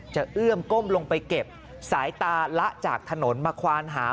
เอื้อมก้มลงไปเก็บสายตาละจากถนนมาควานหา